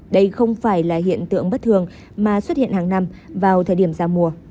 đây không phải là hiện tượng bất thường mà xuất hiện hàng năm vào thời điểm giao mùa